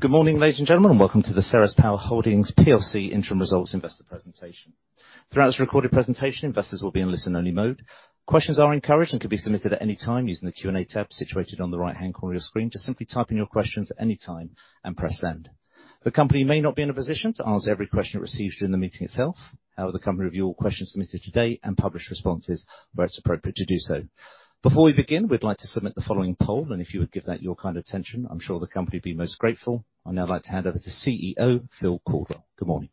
Good morning, ladies and gentlemen, and welcome to the Ceres Power Holdings plc interim results investor presentation. Throughout this recorded presentation, investors will be in listen-only mode. Questions are encouraged and can be submitted at any time using the Q&A tab situated on the right-hand corner of your screen. Just simply type in your questions at any time and press send. The company may not be in a position to answer every question it receives during the meeting itself. However, the company will review all questions submitted today and publish responses where it's appropriate to do so. Before we begin, we'd like to submit the following poll, and if you would give that your kind attention, I'm sure the company will be most grateful. I'd now like to hand over to CEO Phil Caldwell. Good morning.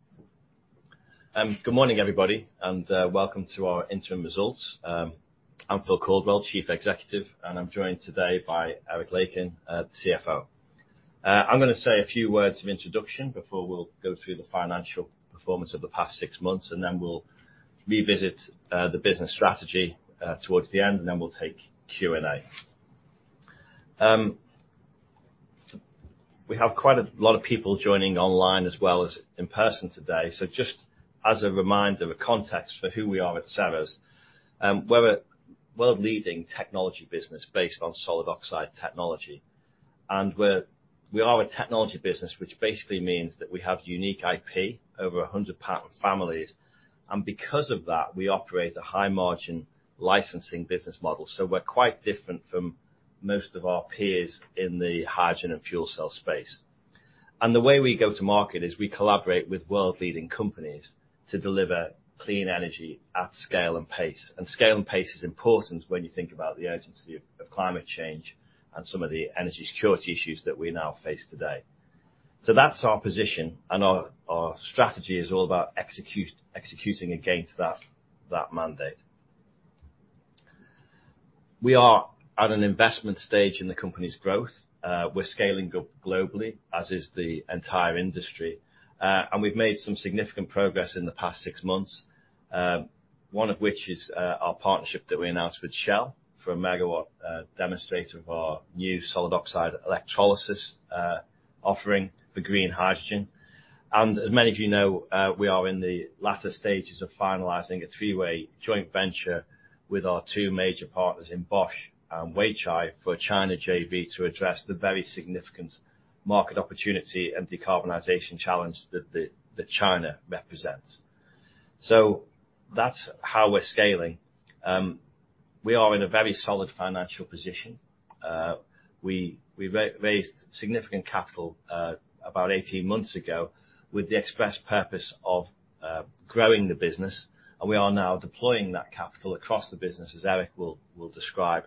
Good morning, everybody, and welcome to our interim results. I'm Phil Caldwell, Chief Executive, and I'm joined today by Eric Lakin, CFO. I'm going to say a few words of introduction before we'll go through the financial performance of the past six months, and then we'll revisit the business strategy towards the end, and then we'll take Q&A. We have quite a lot of people joining online as well as in person today, so just as a reminder, a context for who we are at Ceres. We're a world-leading technology business based on solid oxide technology, and we are a technology business which basically means that we have unique IP, over 100 patent families, and because of that, we operate a high margin licensing business model, so we're quite different from most of our peers in the hydrogen and fuel cell space. The way we go to market is we collaborate with world-leading companies to deliver clean energy at scale and pace. Scale and pace is important when you think about the urgency of climate change and some of the energy security issues that we now face today. That's our position and our strategy is all about executing against that mandate. We are at an investment stage in the company's growth. We're scaling up globally, as is the entire industry. We've made some significant progress in the past six months, one of which is our partnership that we announced with Shell for a megawatt demonstrator of our new solid oxide electrolysis offering for green hydrogen. As many of we are in the latter stages of finalizing a three-way joint venture with our two major partners in Bosch and Weichai for a China JV to address the very significant market opportunity and decarbonization challenge that China represents. That's how we're scaling. We are in a very solid financial position. We raised significant capital about 18 months ago with the express purpose of growing the business, and we are now deploying that capital across the business, as Eric will describe,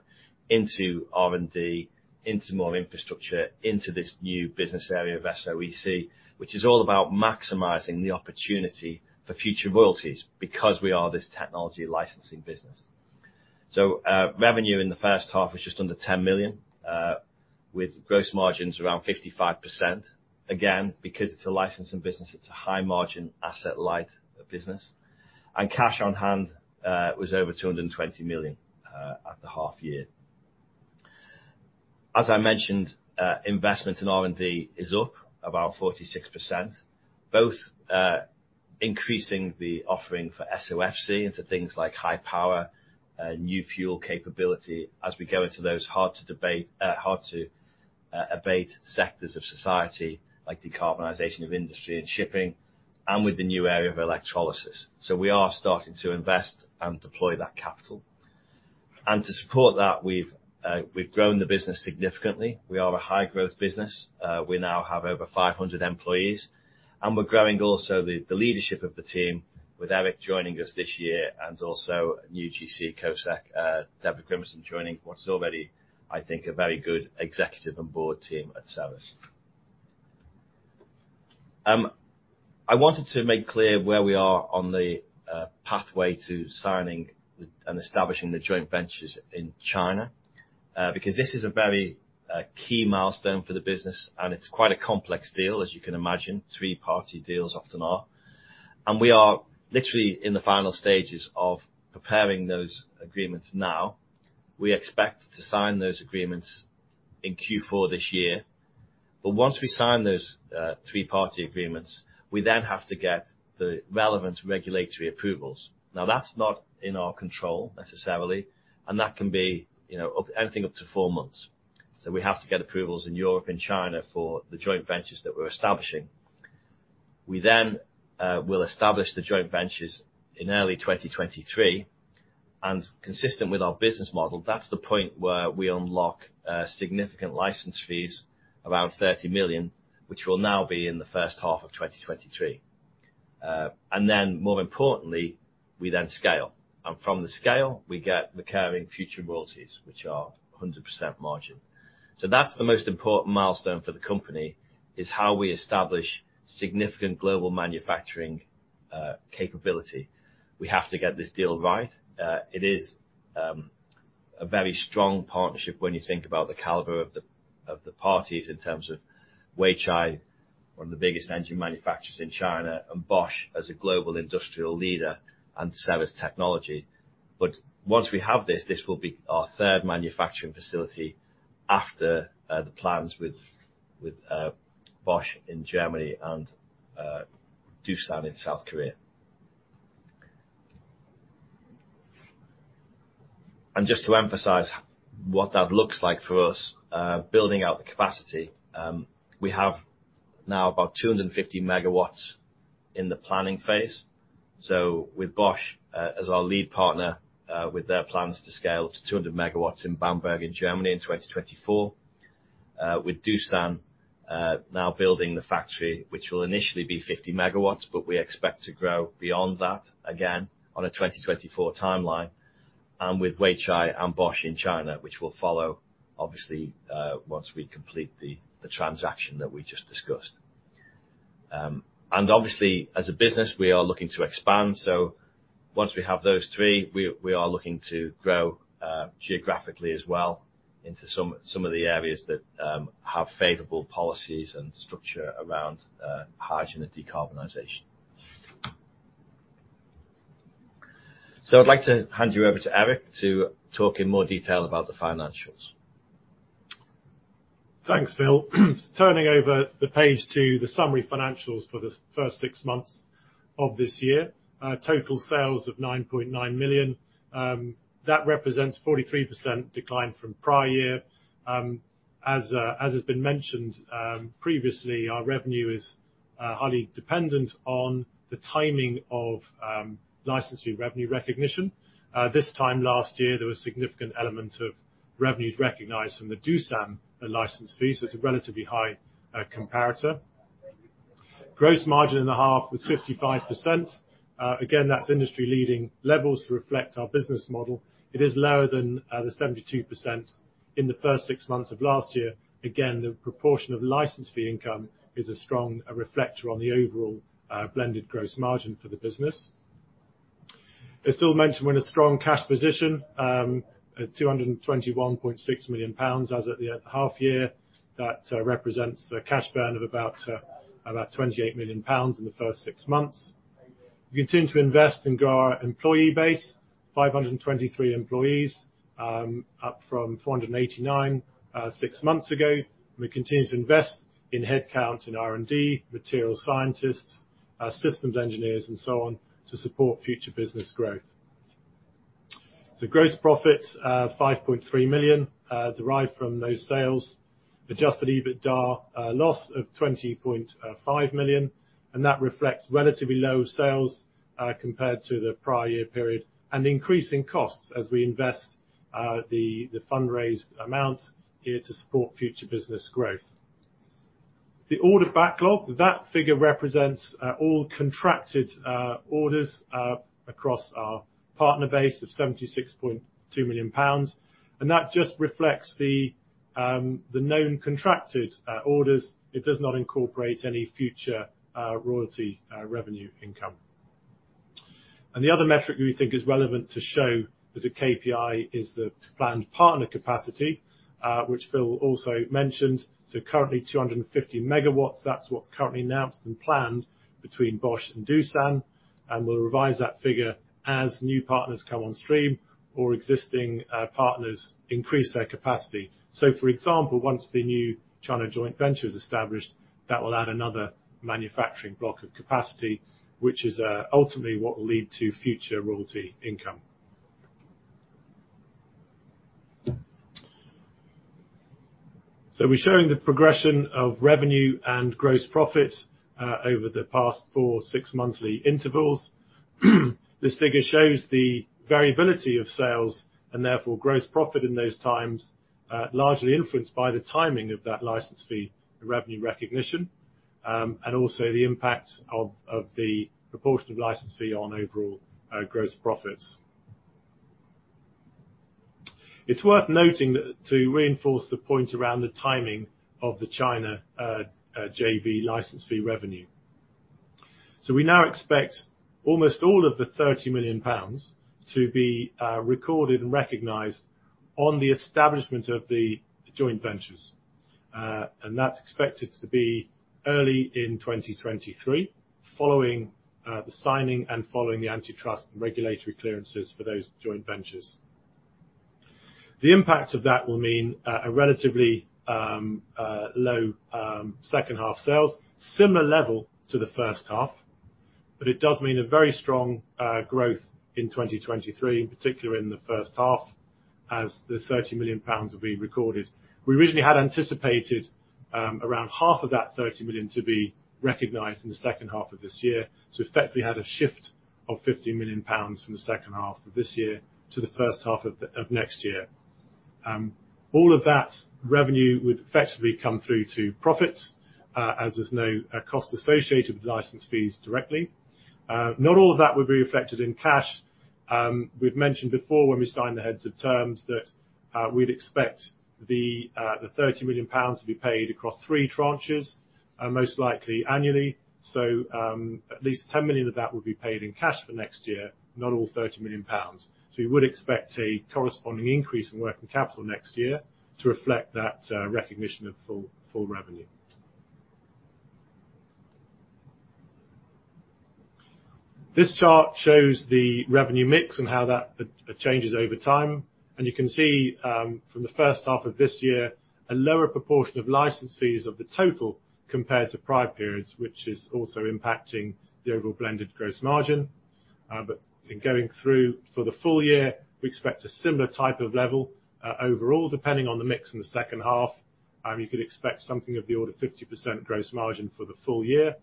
into R&D, into more infrastructure, into this new business area of SOEC, which is all about maximizing the opportunity for future royalties because we are this technology licensing business. Revenue in the first half was just under 10 million with gross margins around 55%. Again, because it's a licensing business, it's a high margin, asset light business. Cash on hand was over 220 million at the half year. As I mentioned, investment in R&D is up about 46%, both increasing the offering for SOFC into things like high power, new fuel capability as we go into those hard to abate sectors of society, like decarbonization of industry and shipping, and with the new area of electrolysis. We are starting to invest and deploy that capital. To support that, we've grown the business significantly. We are a high growth business. We now have over 500 employees, and we're growing also the leadership of the team with Eric joining us this year, and also new GC and CoSec, Deborah Grimason joining what's already, I think, a very good executive and board team at Ceres. I wanted to make clear where we are on the pathway to signing the and establishing the joint ventures in China, because this is a very key milestone for the business, and it's quite a complex deal, as you can imagine. Three-party deals often are. We are literally in the final stages of preparing those agreements now. We expect to sign those agreements in Q4 this year. Once we sign those three-party agreements, we then have to get the relevant regulatory approvals. Now, that's not in our control necessarily, and that can be anything up to four months. We have to get approvals in Europe and China for the joint ventures that we're establishing. We will establish the joint ventures in early 2023, and consistent with our business model, that's the point where we unlock significant license fees, around 30 million, which will now be in the first half of 2023. More importantly, we then scale. From the scale, we get recurring future royalties, which are a 100% margin. That's the most important milestone for the company, is how we establish significant global manufacturing capability. We have to get this deal right. It is a very strong partnership when you think about the caliber of the parties in terms of Weichai, one of the biggest engine manufacturers in China, and Bosch, as a global industrial leader, and service technology. Once we have this will be our third manufacturing facility after the plans with Bosch in Germany and Doosan in South Korea. Just to emphasize what that looks like for us, building out the capacity, we have now about 250 megawatts in the planning phase. With Bosch as our lead partner, with their plans to scale up to 200 megawatts in Bamberg in Germany in 2024, with Doosan now building the factory, which will initially be 50 megawatts, but we expect to grow beyond that again on a 2024 timeline, and with Weichai and Bosch in China, which will follow obviously once we complete the transaction that we just discussed. Obviously as a business, we are looking to expand. Once we have those three, we are looking to grow geographically as well into some of the areas that have favorable policies and structure around hydrogen and decarbonization. I'd like to hand you over to Eric to talk in more detail about the financials. Thanks, Phil. Turning over the page to the summary financials for the first six months of this year. Total sales of 9.9 million, that represents 43% decline from prior year. As has been mentioned previously, our revenue is highly dependent on the timing of licensing revenue recognition. This time last year, there was significant elements of revenues recognized from the Doosan license fees. It's a relatively high comparator. Gross margin in the half was 55%. Again, that's industry leading levels to reflect our business model. It is lower than the 72% in the first six months of last year. Again, the proportion of license fee income is a strong reflector on the overall blended gross margin for the business. It's still mentioned we're in a strong cash position at 221.6 million pounds as at the half year. That represents a cash burn of about 28 million pounds in the first six months. We continue to invest and grow our employee base, 523 employees, up from 489 six months ago. We continue to invest in headcount, in R&D, material scientists, systems engineers, and so on, to support future business growth. Gross profits, 5.3 million, derived from those sales. Adjusted EBITDA, loss of 20.5 million, and that reflects relatively low sales compared to the prior year period and increasing costs as we invest the fundraised amount here to support future business growth. The order backlog, that figure represents all contracted orders across our partner base of 76.2 million pounds, and that just reflects the known contracted orders. It does not incorporate any future royalty revenue income. The other metric we think is relevant to show as a KPI is the planned partner capacity, which Phil also mentioned. Currently 250 MW. That's what's currently announced and planned between Bosch and Doosan. We'll revise that figure as new partners come on stream or existing partners increase their capacity. For example, once the new China joint venture is established, that will add another manufacturing block of capacity, which is ultimately what will lead to future royalty income. We're showing the progression of revenue and gross profit over the past four six-monthly intervals. This figure shows the variability of sales and therefore gross profit in those times, largely influenced by the timing of that license fee and revenue recognition, and also the impact of the proportion of license fee on overall gross profits. It's worth noting that to reinforce the point around the timing of the China JV license fee revenue. We now expect almost all of the 30 million pounds to be recorded and recognized on the establishment of the joint ventures. That's expected to be early in 2023, following the signing and following the antitrust and regulatory clearances for those joint ventures. The impact of that will mean a relatively low second half sales, similar level to the first half, but it does mean a very strong growth in 2023, particularly in the first half, as the 30 million pounds will be recorded. We originally had anticipated around half of that 30 million to be recognized in the second half of this year. Effectively had a shift of 50 million pounds from the second half of this year to the first half of next year. All of that revenue would effectively come through to profits, as there's no cost associated with license fees directly. Not all of that would be reflected in cash. We've mentioned before when we signed the heads of terms that we'd expect the 30 million pounds to be paid across three tranches, most likely annually. At least 10 million of that would be paid in cash for next year, not all 30 million pounds. We would expect a corresponding increase in working capital next year to reflect that recognition of full revenue. This chart shows the revenue mix and how that changes over time. You can see from the first half of this year, a lower proportion of license fees of the total compared to prior periods, which is also impacting the overall blended gross margin. In going through for the full year, we expect a similar type of level, overall, depending on the mix in the second half, you could expect something of the order of 50% gross margin for the full year.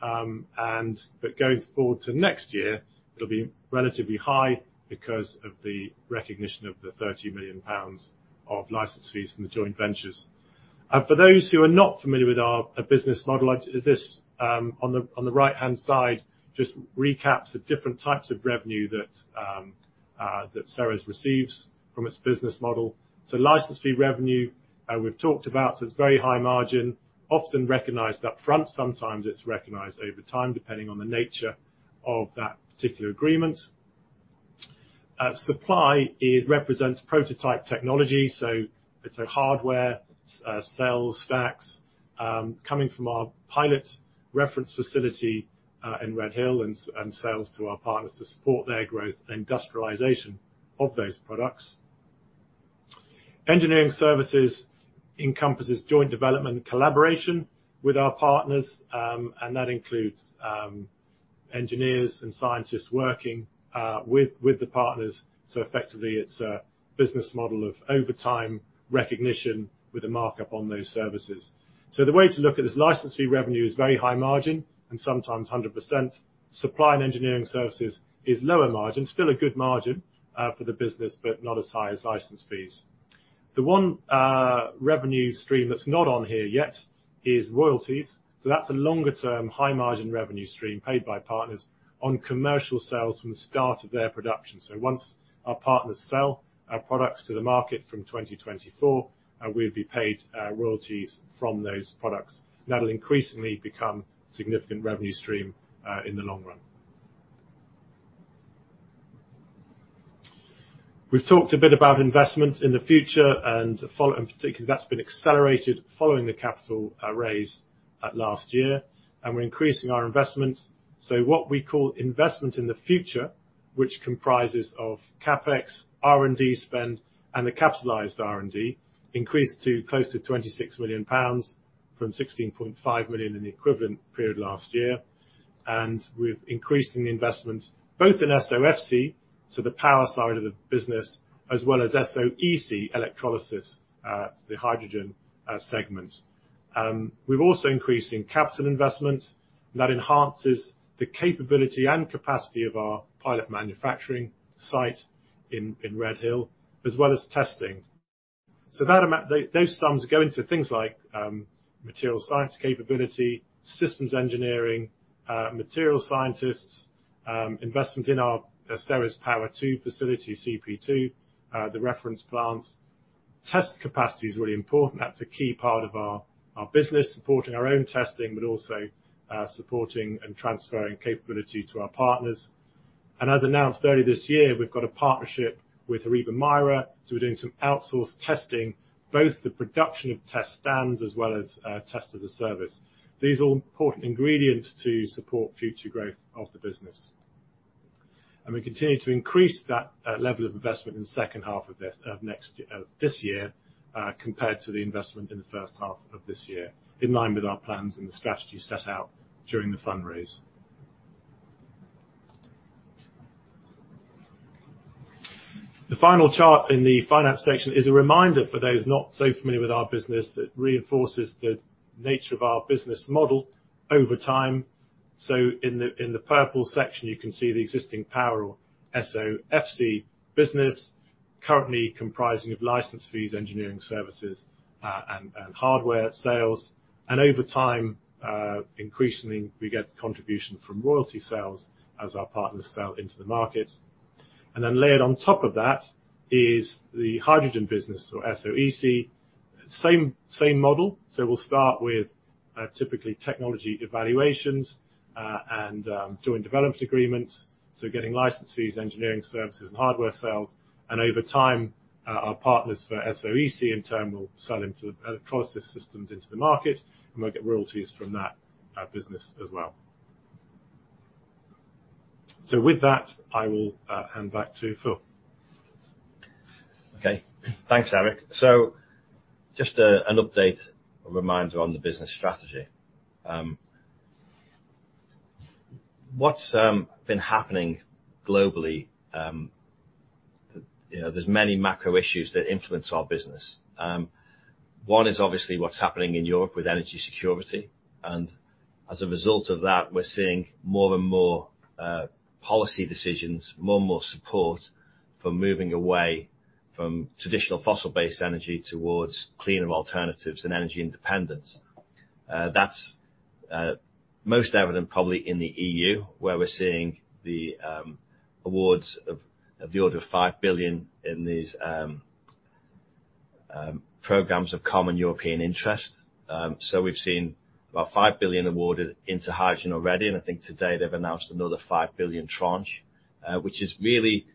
Going forward to next year, it'll be relatively high because of the recognition of the 30 million pounds of license fees from the joint ventures. For those who are not familiar with our business model, like this, on the right-hand side, just recaps the different types of revenue that Ceres receives from its business model. License fee revenue, we've talked about, it's very high margin, often recognized upfront. Sometimes it's recognized over time, depending on the nature of that particular agreement. Supply, it represents prototype technology. It's our hardware sales stacks coming from our pilot reference facility in Redhill and sales to our partners to support their growth and industrialization of those products. Engineering services encompasses joint development and collaboration with our partners and that includes engineers and scientists working with the partners. Effectively, it's a business model of over time recognition with a markup on those services. The way to look at this license fee revenue is very high margin and sometimes 100%. Supply and engineering services is lower margin, still a good margin for the business, but not as high as license fees. The one revenue stream that's not on here yet is royalties. That's a longer-term, high-margin revenue stream paid by partners on commercial sales from the start of their production. Once our partners sell our products to the market from 2024, we'll be paid royalties from those products. That'll increasingly become significant revenue stream in the long run. We've talked a bit about investment in the future in particular, that's been accelerated following the capital raise last year, and we're increasing our investment. What we call investment in the future, which comprises of CapEx, R&D spend, and the capitalized R&D, increased to close to 26 million pounds from 16.5 million in the equivalent period last year. We're increasing the investment both in SOFC, so the power side of the business, as well as SOEC electrolysis, the hydrogen segment. We're also increasing capital investment. That enhances the capability and capacity of our pilot manufacturing site in Redhill, as well as testing. That amount, those sums go into things like materials science capability, systems engineering, materials scientists, investment in our Ceres Power 2 facility, CP2, the reference plants. Test capacity is really important. That's a key part of our business, supporting our own testing, but also supporting and transferring capability to our partners. As announced early this year, we've got a partnership with HORIBA MIRA, so we're doing some outsourced testing, both the production of test stands as well as test as a service. These are all important ingredients to support future growth of the business. We continue to increase that level of investment in the second half of this year compared to the investment in the first half of this year, in line with our plans and the strategy set out during the fundraise. The final chart in the finance section is a reminder for those not so familiar with our business that reinforces the nature of our business model over time. In the purple section, you can see the existing power or SOFC business currently comprising of license fees, engineering services, and hardware sales. Over time, increasingly, we get contribution from royalty sales as our partners sell into the market. Layered on top of that is the hydrogen business or SOEC, same model. We'll start with typically technology evaluations and doing development agreements, so getting license fees, engineering services, and hardware sales. Over time, our partners for SOEC in turn will sell into the electrolysis systems into the market, and we'll get royalties from that business as well. With that, I will hand back to Phil. Thanks, Eric. Just an update or reminder on the business strategy. What's been happening globally there's many macro issues that influence our business. One is obviously what's happening in Europe with energy security. As a result of that, we're seeing more and more policy decisions, more and more support for moving away from traditional fossil-based energy towards cleaner alternatives and energy independence. That's most evident probably in the EU, where we're seeing the awards of the order of 5 billion in these projects of common European interest. We've seen about 5 billion awarded into hydrogen already, and I think today they've announced another 5 billion tranche, which is really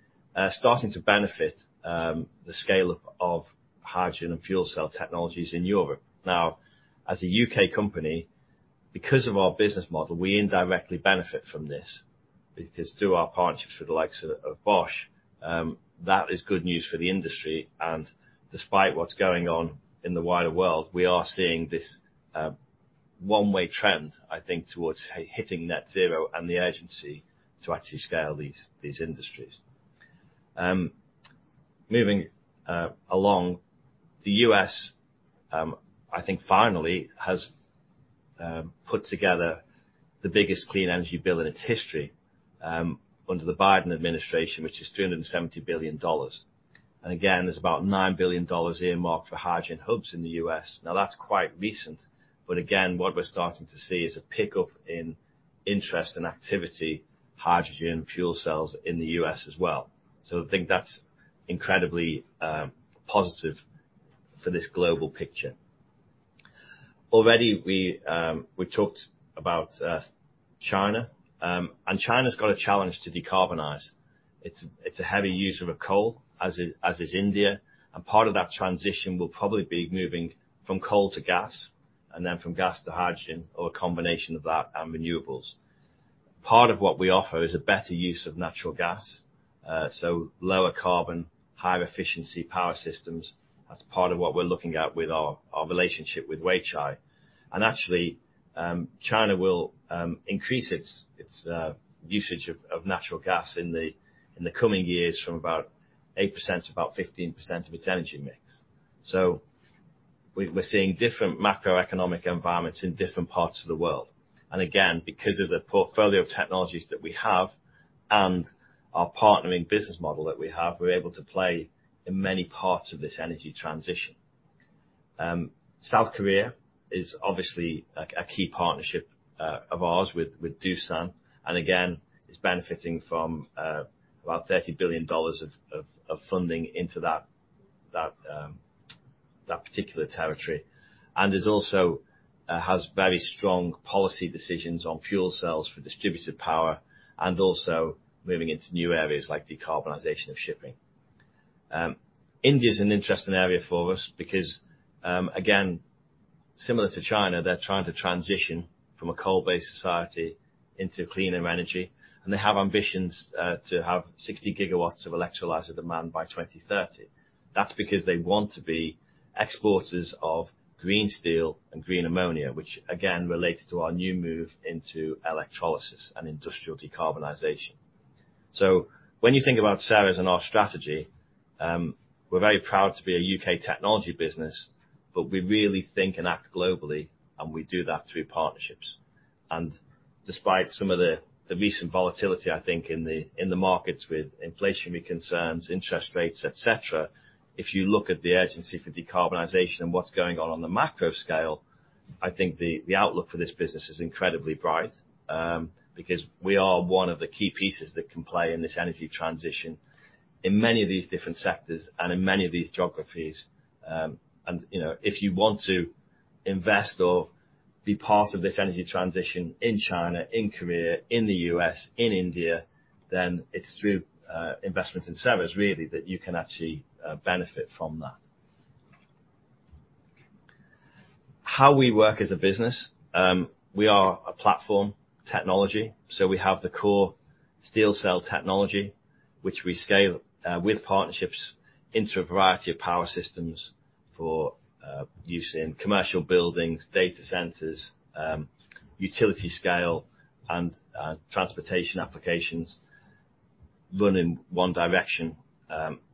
starting to benefit the scale of hydrogen and fuel cell technologies in Europe. Now, as a UK company. Because of our business model, we indirectly benefit from this because through our partnerships with the likes of Bosch, that is good news for the industry. Despite what's going on in the wider world, we are seeing this one-way trend, I think, towards hitting net zero and the urgency to actually scale these industries. Moving along, the US I think finally has put together the biggest clean energy bill in its history under the Biden administration, which is $370 billion. Again, there's about $9 billion earmarked for hydrogen hubs in the US. Now, that's quite recent, but again, what we're starting to see is a pickup in interest and activity, hydrogen fuel cells in the US as well. I think that's incredibly positive for this global picture. Already we talked about China, and China's got a challenge to decarbonize. It's a heavy user of coal, as is India, and part of that transition will probably be moving from coal to gas, and then from gas to hydrogen or a combination of that and renewables. Part of what we offer is a better use of natural gas, so lower carbon, higher efficiency power systems. That's part of what we're looking at with our relationship with Weichai. Actually, China will increase its usage of natural gas in the coming years from about 8% to about 15% of its energy mix. We're seeing different macroeconomic environments in different parts of the world. Again, because of the portfolio of technologies that we have and our partnering business model that we have, we're able to play in many parts of this energy transition. South Korea is obviously a key partnership of ours with Doosan, and again, is benefiting from about $30 billion of funding into that particular territory. It also has very strong policy decisions on fuel cells for distributed power and also moving into new areas like decarbonization of shipping. India's an interesting area for us because, again, similar to China, they're trying to transition from a coal-based society into cleaner energy, and they have ambitions to have 60 GW of electrolyzer demand by 2030. That's because they want to be exporters of green steel and green ammonia, which again relates to our new move into electrolysis and industrial decarbonization. When you think about Ceres and our strategy, we're very proud to be a UK technology business, but we really think and act globally, and we do that through partnerships. Despite some of the recent volatility, I think, in the markets with inflationary concerns, interest rates, et cetera, if you look at the urgency for decarbonization and what's going on the macro scale, I think the outlook for this business is incredibly bright, because we are one of the key pieces that can play in this energy transition in many of these different sectors and in many of these geographies. if you want to invest or be part of this energy transition in China, in Korea, in the U.S., in India, then it's through investments in Ceres really that you can actually benefit from that. How we work as a business. We are a platform technology, so we have the core fuel cell technology, which we scale with partnerships into a variety of power systems for use in commercial buildings, data centers, utility-scale and transportation applications running one direction.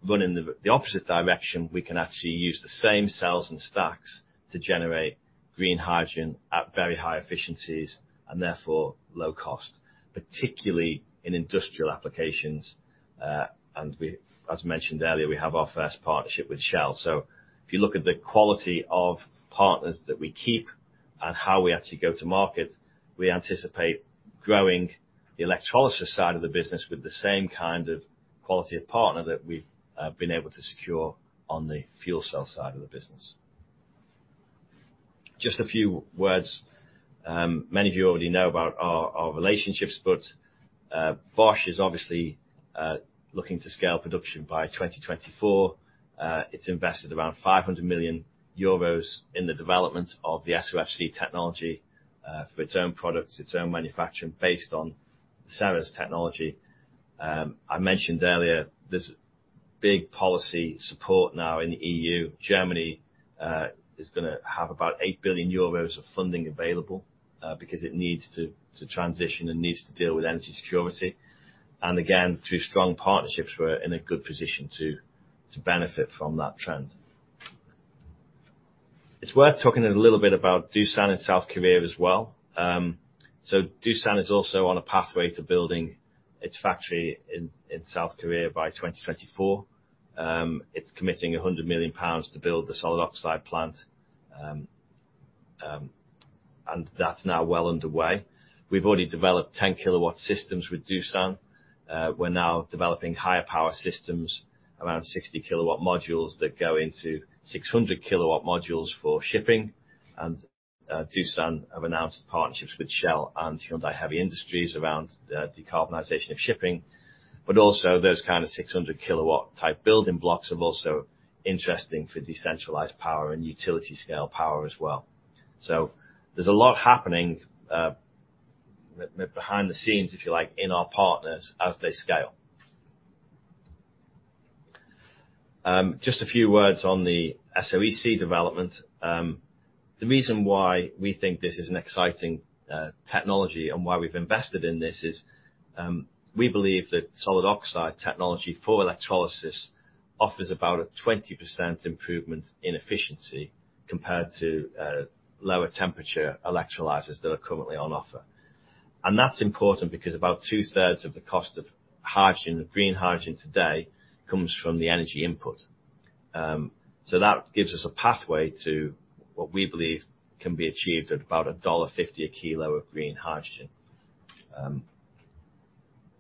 Running the opposite direction, we can actually use the same cells and stacks to generate green hydrogen at very high efficiencies and therefore low cost, particularly in industrial applications. As mentioned earlier, we have our first partnership with Shell. If you look at the quality of partners that we keep and how we actually go to market, we anticipate growing the electrolysis side of the business with the same kind of quality of partner that we've been able to secure on the fuel cell side of the business. Just a few words. Many of you already know about our relationships, but Bosch is obviously looking to scale production by 2024. It's invested around 500 million euros in the development of the SOFC technology for its own products, its own manufacturing based on Ceres technology. I mentioned earlier, there's big policy support now in the EU. Germany is going to have about 8 billion euros of funding available because it needs to transition and needs to deal with energy security. Again, through strong partnerships, we're in a good position to benefit from that trend. It's worth talking a little bit about Doosan and South Korea as well. Doosan is also on a pathway to building its factory in South Korea by 2024. It's committing 100 million pounds to build a solid oxide plant. That's now well underway. We've already developed 10 kW systems with Doosan. We're now developing higher power systems, around 60 kW modules that go into 600 kW modules for shipping. Doosan have announced partnerships with Shell and Hyundai Heavy Industries around the decarbonization of shipping. Those kind of 600 kW type building blocks are also interesting for decentralized power and utility scale power as well. There's a lot happening behind the scenes, if you like, in our partners as they scale. Just a few words on the SOEC development. The reason why we think this is an exciting technology and why we've invested in this is we believe that solid oxide technology for electrolysis offers about a 20% improvement in efficiency compared to lower temperature electrolyzers that are currently on offer. That's important because about two-thirds of the cost of hydrogen, of green hydrogen today comes from the energy input. That gives us a pathway to what we believe can be achieved at about $1.50 a kilo of green hydrogen.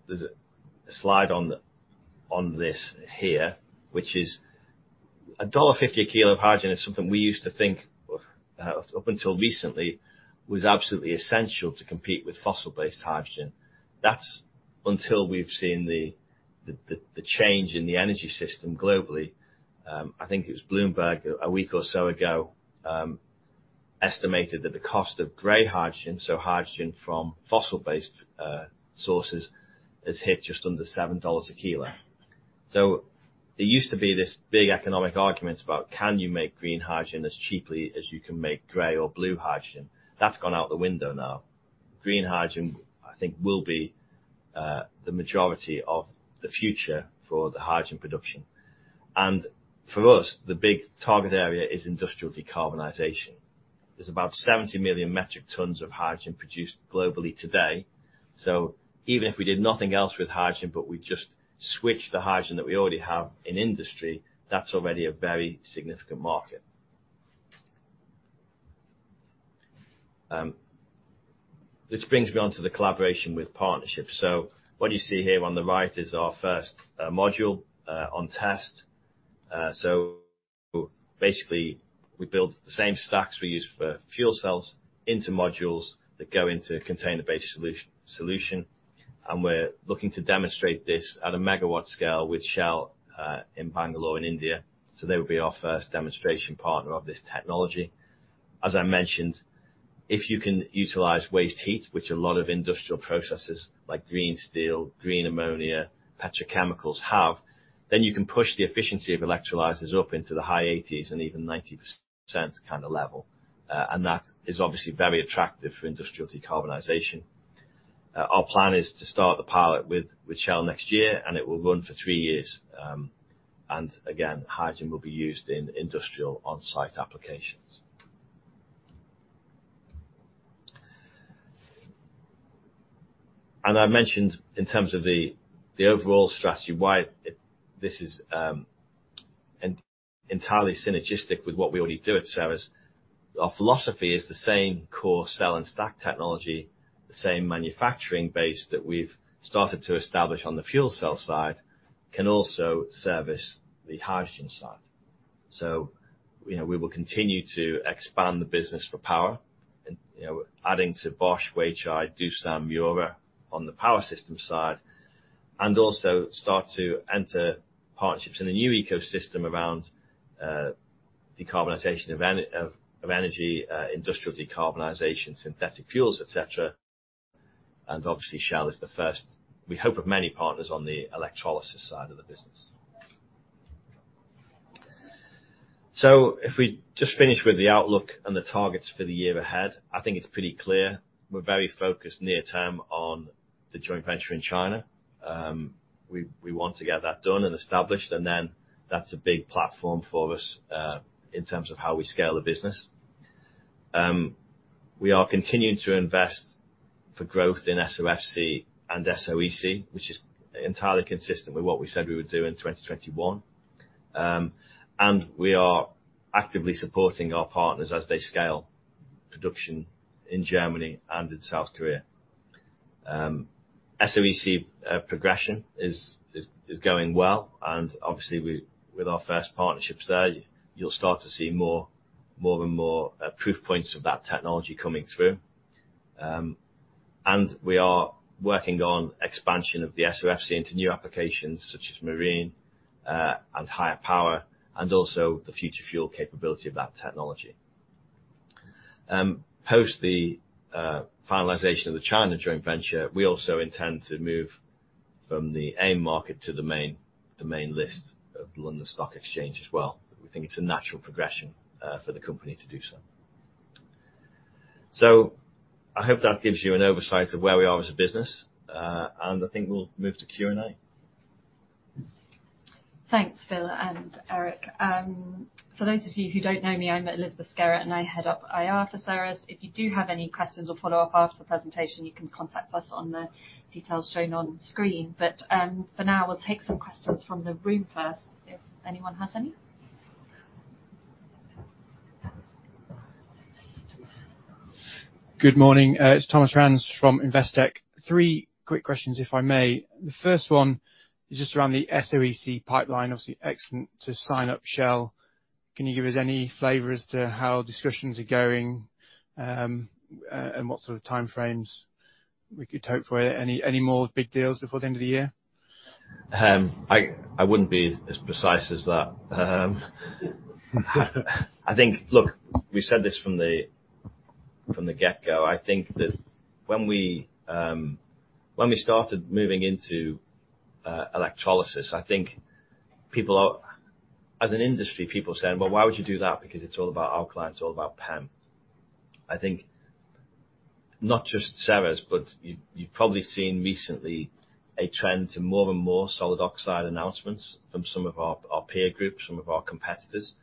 There's a slide on this here, which is $1.50 a kilo of hydrogen is something we used to think of, up until recently, was absolutely essential to compete with fossil-based hydrogen. That's until we've seen the change in the energy system globally. I think it was Bloomberg a week or so ago estimated that the cost of grey hydrogen, so hydrogen from fossil-based sources, has hit just under $7 a kilo. There used to be this big economic argument about can you make green hydrogen as cheaply as you can make grey or blue hydrogen? That's gone out the window now. Green hydrogen, I think, will be the majority of the future for the hydrogen production. For us, the big target area is industrial decarbonization. There's about 70 million metric tons of hydrogen produced globally today. Even if we did nothing else with hydrogen, but we just switched the hydrogen that we already have in industry, that's already a very significant market. Which brings me on to the collaboration with partnerships. What you see here on the right is our first module on test. Basically, we build the same stacks we use for fuel cells into modules that go into container-based solution, and we're looking to demonstrate this at a megawatt scale with Shell in Bangalore, in India. They will be our first demonstration partner of this technology. As I mentioned, if you can utilize waste heat, which a lot of industrial processes like green steel, green ammonia, petrochemicals have, then you can push the efficiency of electrolyzers up into the high 80s and even 90% kind of level. That is obviously very attractive for industrial decarbonization. Our plan is to start the pilot with Shell next year, and it will run for three Years. Again, hydrogen will be used in industrial on-site applications. I mentioned in terms of the overall strategy, this is entirely synergistic with what we already do at Ceres. Our philosophy is the same core cell and stack technology, the same manufacturing base that we've started to establish on the fuel cell side can also service the hydrogen side. We will continue to expand the business for power and adding to Bosch, Weichai, Doosan, Miura on the power system side, and also start to enter partnerships in a new ecosystem around decarbonization of energy, industrial decarbonization, synthetic fuels, et cetera. Obviously, Shell is the first we hope of many partners on the electrolysis side of the business. If we just finish with the outlook and the targets for the year ahead, I think it's pretty clear we're very focused near term on the joint venture in China. We want to get that done and established, and then that's a big platform for us in terms of how we scale the business. We are continuing to invest for growth in SOFC and SOEC, which is entirely consistent with what we said we would do in 2021. We are actively supporting our partners as they scale production in Germany and in South Korea. SOEC progression is going well and obviously with our first partnerships there, you'll start to see more and more proof points of that technology coming through. We are working on expansion of the SOFC into new applications such as marine and higher power, and also the future fuel capability of that technology. Post the finalization of the China joint venture, we also intend to move from the AIM market to the main list of London Stock Exchange as well. We think it's a natural progression for the company to do so. I hope that gives you an oversight of where we are as a business, and I think we'll move to Q&A. Thanks, Phil and Eric. For those of you who don't know me, I'm Elizabeth Skerry, and I head up IR for Ceres. If you do have any questions or follow-up after the presentation, you can contact us on the details shown on screen. For now, we'll take some questions from the room first, if anyone has any. Good morning. It's Thomas Rands from Investec. Three quick questions, if I may. The first one is just around the SOEC pipeline. Obviously, excellent to sign up Shell. Can you give us any flavor as to how discussions are going, and what sort of time frames we could hope for any more big deals before the end of the year? I wouldn't be as precise as that. I think. Look, we said this from the get-go. I think that when we started moving into electrolysis, I think people are saying, "Well, why would you do that? Because it's all about alkaline, it's all about PEM." I think, not just Ceres, but you've probably seen recently a trend to more and more solid oxide announcements from some of our peer groups, some of our competitors.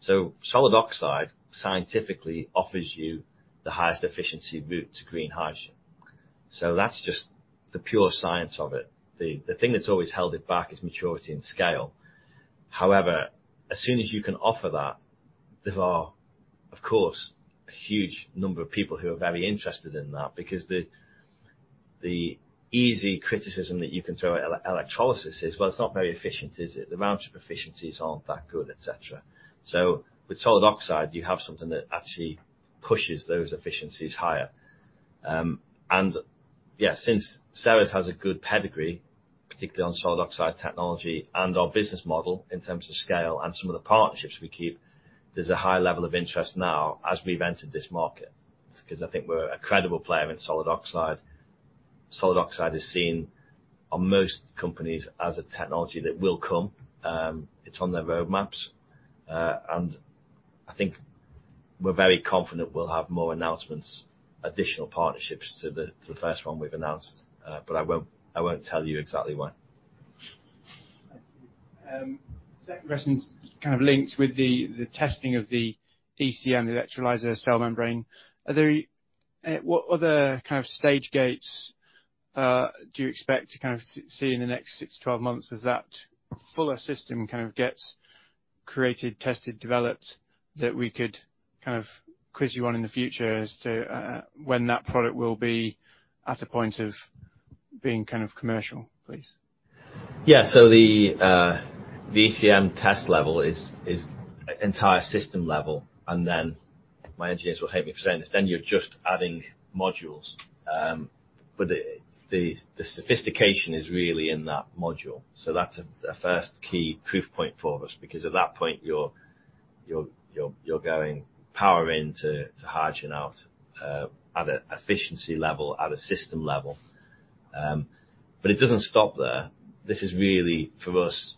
Solid oxide scientifically offers you the highest efficiency route to green hydrogen. That's just the pure science of it. The thing that's always held it back is maturity and scale. However, as soon as you can offer that, there are, of course, a huge number of people who are very interested in that because the easy criticism that you can throw at electrolysis is, well, it's not very efficient, is it? The amount of efficiencies aren't that good, et cetera. With solid oxide, you have something that actually pushes those efficiencies higher. Yeah, since Ceres has a good pedigree, particularly on solid oxide technology and our business model in terms of scale and some of the partnerships we keep, there's a high level of interest now as we've entered this market, 'cause I think we're a credible player in solid oxide. Solid oxide is seen on most companies as a technology that will come. It's on their roadmaps. I think we're very confident we'll have more announcements, additional partnerships to the first one we've announced, but I won't tell you exactly when. Thank you. Second question kind of links with the testing of the ECM, the electrolyzer cell membrane. What other kind of stage gates do you expect to kind of see in the next 6-12 months as that fuller system kind of gets created, tested, developed, that we could kind of quiz you on in the future as to when that product will be at a point of being kind of commercial, please? Yeah. The ECM test level is entire system level, and then my engineers will hate me for saying this, then you're just adding modules. The sophistication is really in that module. That's a first key proof point for us because at that point you're going power in to hydrogen out at a efficiency level, at a system level. It doesn't stop there. This is really, for us,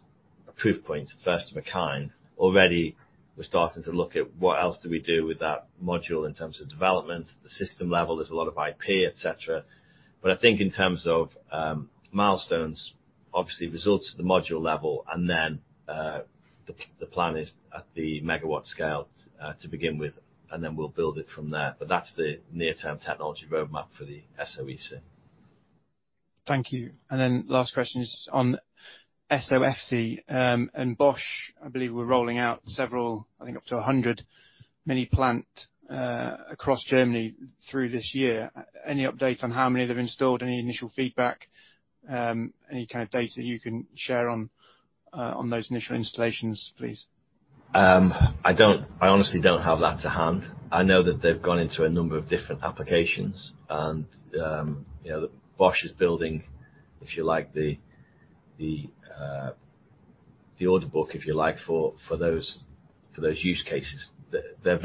a proof point, first of a kind. Already we're starting to look at what else do we do with that module in terms of development. At the system level, there's a lot of IP, et cetera. I think in terms of milestones, obviously results at the module level and then the plan is at the megawatt scale to begin with, and then we'll build it from there. That's the near-term technology roadmap for the SOEC. Thank you. Last question is on SOFC. Bosch, I believe were rolling out several, I think up to 100 mini plant, across Germany through this year. Any update on how many they've installed? Any initial feedback? Any kind of data you can share on those initial installations, please? I honestly don't have that to hand. I know that they've gone into a number of different applications and Bosch is building, if you like, the order book, if you like, for those use cases. They're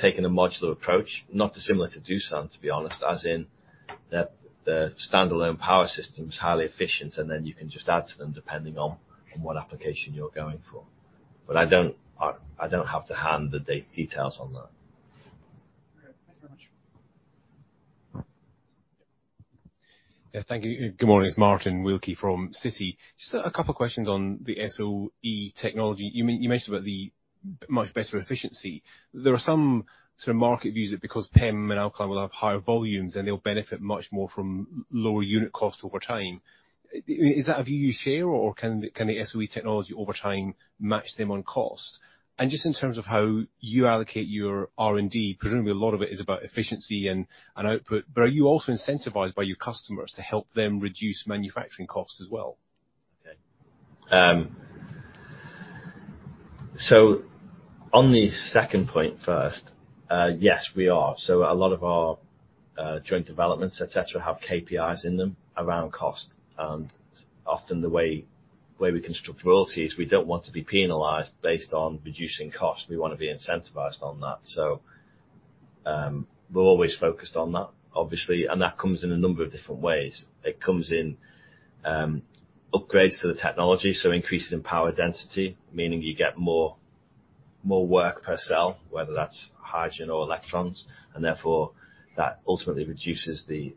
taking a modular approach. Not dissimilar to Doosan, to be honest, as in the standalone power system is highly efficient, and then you can just add to them depending on what application you're going for. But I don't have to hand the details on that. Great. Thank you very much. Yeah. Yeah, thank you. Good morning. It's Martin Wilkie from Citi. Just a couple of questions on the SOEC technology. You mentioned about the much better efficiency. There are some sort of market views that because PEM and alkaline will have higher volumes and they'll benefit much more from lower unit cost over time. Is that a view you share or can the SOEC technology over time match them on cost? And just in terms of how you allocate your R&D, presumably a lot of it is about efficiency and output, but are you also incentivized by your customers to help them reduce manufacturing costs as well? Okay. On the second point first, yes, we are. A lot of our joint developments, et cetera, have KPIs in them around cost. Often the way we construct royalties, we don't want to be penalized based on reducing costs. We want to be incentivized on that. We're always focused on that, obviously. That comes in a number of different ways. It comes in upgrades to the technology, so increases in power density, meaning you get more work per cell, whether that's hydrogen or electrons, and therefore that ultimately reduces the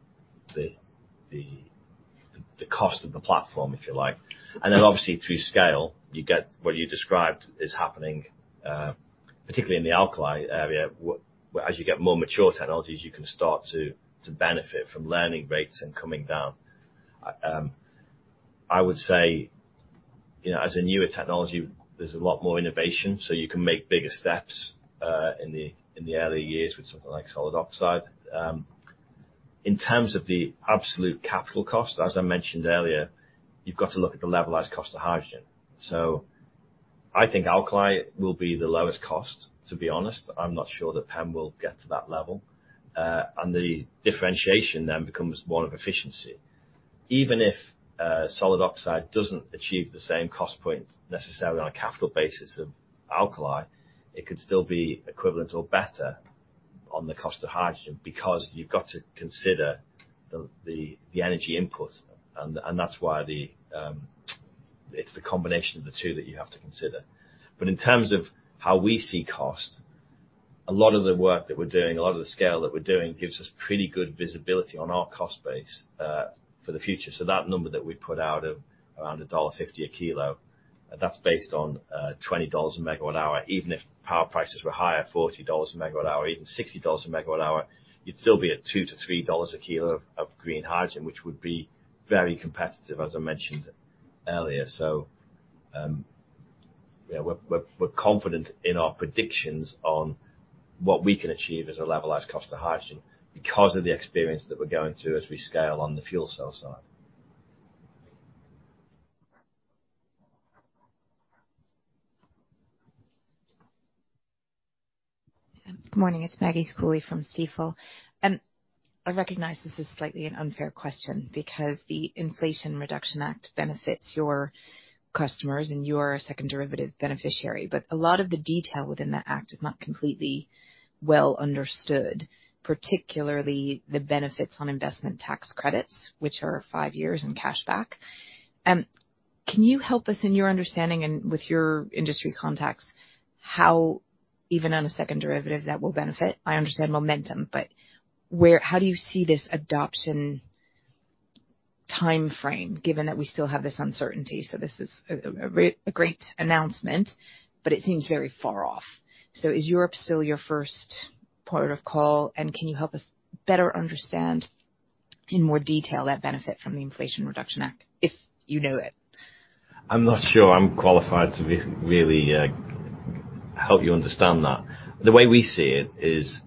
cost of the platform, if you like. Then obviously through scale, you get what you described is happening, particularly in the alkaline area. As you get more mature technologies, you can start to benefit from learning rates and coming down. I would say as a newer technology, there's a lot more innovation, so you can make bigger steps in the early years with something like solid oxide. In terms of the absolute capital cost, as I mentioned earlier, you've got to look at the levelized cost of hydrogen. So I think alkali will be the lowest cost, to be honest. I'm not sure that PEM will get to that level. And the differentiation then becomes one of efficiency. Even if solid oxide doesn't achieve the same cost point necessarily on a capital basis of alkali, it could still be equivalent or better on the cost of hydrogen because you've got to consider the energy input, and that's why it's the combination of the two that you have to consider. In terms of how we see cost, a lot of the work that we're doing, a lot of the scale that we're doing gives us pretty good visibility on our cost base for the future. That number that we put out of around $1.50 a kilo, that's based on $20/MWh. Even if power prices were higher, $40/MWh, even $60/MWh, you'd still be at $2-$3 a kilo of green hydrogen, which would be very competitive, as I mentioned earlier. We're confident in our predictions on what we can achieve as a levelized cost of hydrogen because of the experience that we're going through as we scale on the fuel cell side. Good morning, it's Maggie Schooley from Stifel. I recognize this is slightly an unfair question because the Inflation Reduction Act benefits your customers and you're a second derivative beneficiary, but a lot of the detail within that act is not completely well understood, particularly the benefits on investment tax credits, which are five years in cash back. Can you help us in your understanding and with your industry contacts, how even on a second derivative that will benefit? I understand momentum, but where how do you see this adoption timeframe, given that we still have this uncertainty? This is a great announcement, but it seems very far off. Is Europe still your first port of call, and can you help us better understand in more detail that benefit from the Inflation Reduction Act, if you know it? I'm not sure I'm qualified to help you understand that. The way we see it is,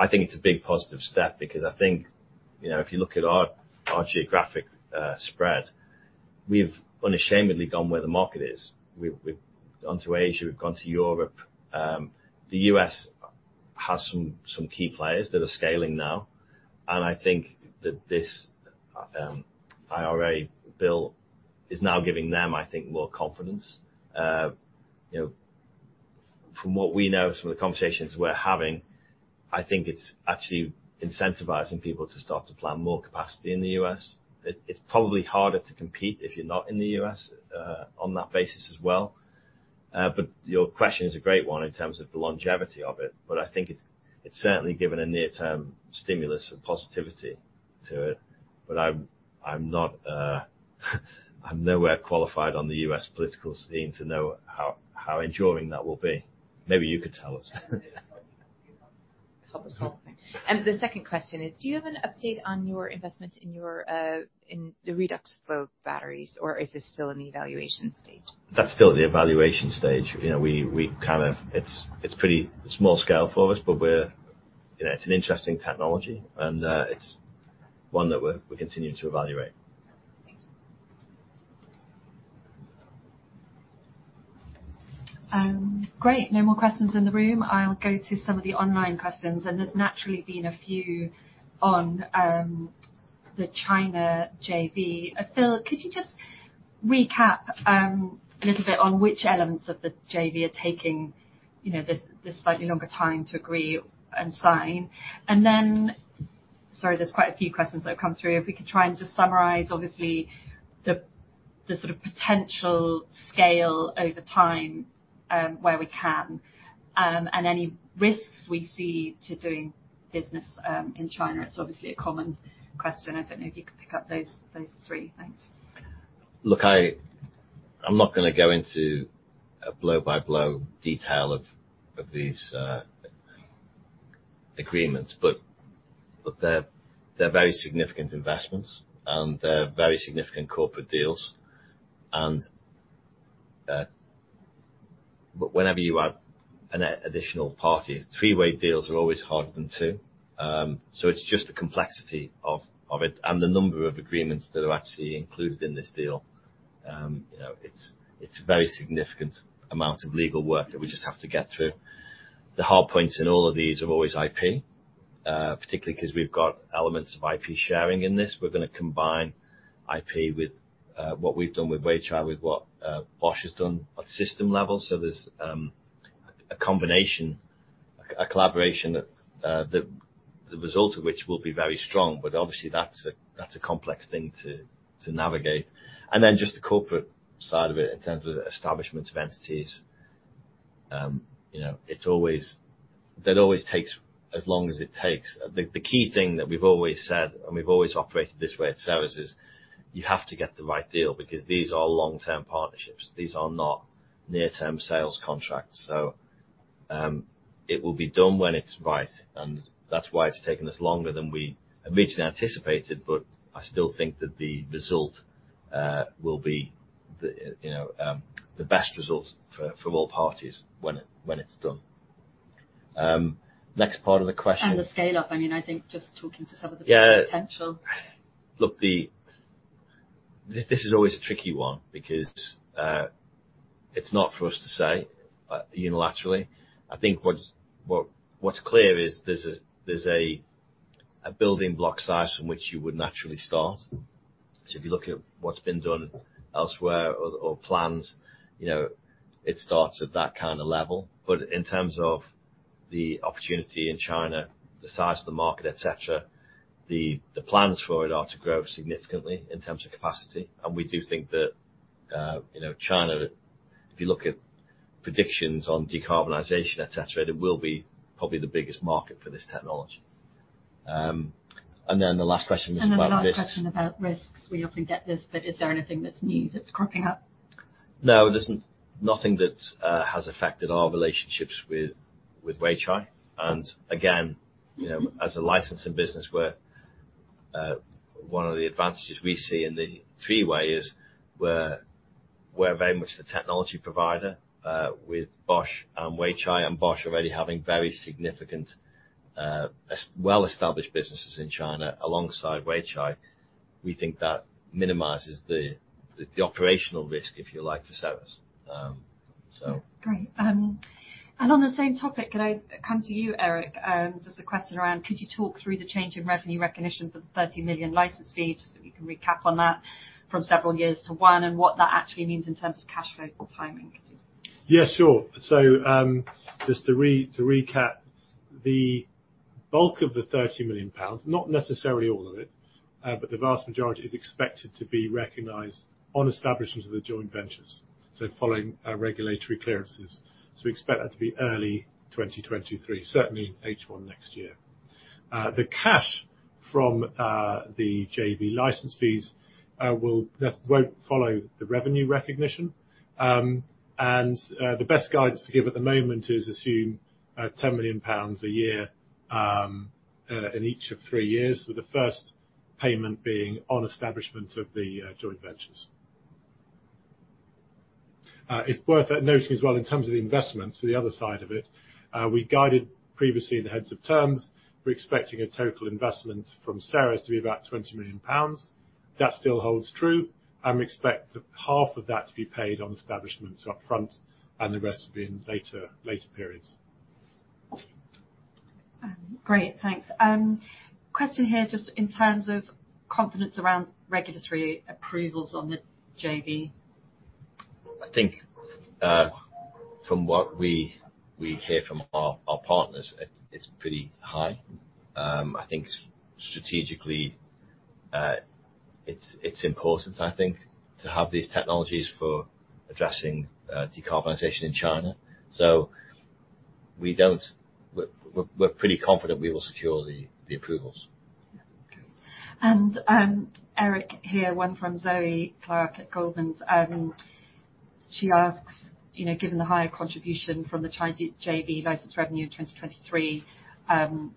I think it's a big positive step because I think if you look at our geographic spread, we've unashamedly gone where the market is. We've gone to Asia, we've gone to Europe. The U.S. has some key players that are scaling now, and I think that this IRA bill is now giving them, I think, more confidence. From what we know, from the conversations we're having, I think it's actually incentivizing people to start to plan more capacity in the U.S. It's probably harder to compete if you're not in the U.S. on that basis as well. Your question is a great one in terms of the longevity of it, but I think it's certainly given a near-term stimulus of positivity to it. I'm not. I'm nowhere qualified on the U.S. political scene to know how enduring that will be. Maybe you could tell us. Help us. The second question is, do you have an update on your investment in RFC Power, or is this still in the evaluation stage? That's still at the evaluation stage. It's pretty small scale for us, but it's an interesting technology and it's one that we're continuing to evaluate. Thank you. Great. No more questions in the room. I'll go to some of the online questions, and there's naturally been a few on the China JV. Phil, could you just recap a little bit on which elements of the JV are taking this slightly longer time to agree and sign? Sorry, there's quite a few questions that have come through. If we could try and just summarize obviously the sort of potential scale over time, where we can, and any risks we see to doing business in China. It's obviously a common question. I don't know if you could pick up those three. Thanks. Look, I'm not going to go into a blow-by-blow detail of these agreements, but they're very significant investments, and they're very significant corporate deals, and but whenever you add an additional party, three-way deals are always harder than two. It's just the complexity of it and the number of agreements that are actually included in this deal. It's a very significant amount of legal work that we just have to get through. The hard points in all of these are always IP, particularly 'cause we've got elements of IP sharing in this. We're going to combine IP with what we've done with Weichai, with what Bosch has done at system level. There's a combination, a collaboration that the result of which will be very strong, but obviously that's a complex thing to navigate. Just the corporate side of it in terms of the establishment of entities. It's always that takes as long as it takes. The key thing that we've always said, and we've always operated this way at Ceres, you have to get the right deal because these are long-term partnerships. These are not near-term sales contracts. It will be done when it's right, and that's why it's taken us longer than we originally anticipated. I still think that the result will be the best results for all parties when it's done. Next part of the question. The scale-up, I mean, I think just talking to some of the Yeah Potential. Look, this is always a tricky one because it's not for us to say unilaterally. I think what's clear is there's a building block size from which you would naturally start. If you look at what's been done elsewhere or plans it starts at that kinda level. In terms of the opportunity in China, the size of the market, et cetera, the plans for it are to grow significantly in terms of capacity. We do think that China, if you look at predictions on decarbonization, et cetera, it will be probably the biggest market for this technology. Then the last question was about risks. The last question about risks. We often get this, but is there anything that's new that's cropping up? No, there's nothing that has affected our relationships with Weichai. Again Mm-hmm as a licensing business, we're one of the advantages we see in the three-way is we're very much the technology provider with Bosch and Weichai. Bosch already having very significant well-established businesses in China alongside Weichai. We think that minimizes the operational risk, if you like, for services. Great. On the same topic, can I come to you, Eric? Just a question around could you talk through the change in revenue recognition for the 30 million license fee, just so we can recap on that from several years to one, and what that actually means in terms of cash flow timing. Yeah, sure. Just to recap, the bulk of the 30 million pounds, not necessarily all of it, but the vast majority is expected to be recognized on establishment of the joint ventures, following our regulatory clearances. We expect that to be early 2023, certainly H1 next year. The cash from the JV license fees, that won't follow the revenue recognition. The best guidance to give at the moment is assume 10 million pounds a year in each of 3 years, with the first payment being on establishment of the joint ventures. It's worth noting as well in terms of the investment, the other side of it, we guided previously in the heads of terms, we're expecting a total investment from Ceres to be about 20 million pounds. That still holds true, and we expect half of that to be paid on establishment up front and the rest will be in later periods. Great. Thanks. Question here, just in terms of confidence around regulatory approvals on the JV. I think, from what we hear from our partners, it's pretty high. I think strategically, it's important, I think, to have these technologies for addressing decarbonization in China. We're pretty confident we will secure the approvals. Yeah. Okay. Eric here, one from Zoe Clarke at Goldman Sachs. She asks, given the higher contribution from the Chinese JV license revenue in 2023, I think